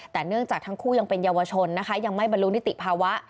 แต่เนื่องจากทั้งคู่ยังเป็นเยาวชนนะคะยังไม่บรรลุนิติภาวะ